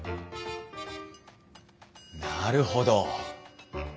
なるほど。